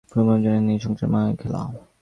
পূর্ণ-মানব জানেন এই সংসার মায়ার খেলা।